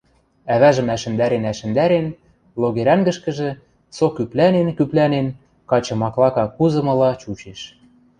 Ӓвӓжӹм ӓшӹндӓрен-ӓшӹндӓрен, логерӓнгӹшкӹжӹ, со кӱплӓнен-кӱплӓнен, качы маклака кузымыла чучеш.